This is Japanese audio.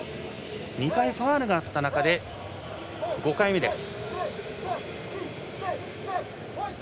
２回ファウルがあった中で５回目です。